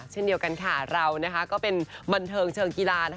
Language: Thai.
เช่นเดียวกันค่ะเราก็เป็นบันเทิงเชิงกีฬา